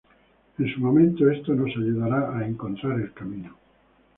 En su momento, esto nos ayudará a "encontrar el camino".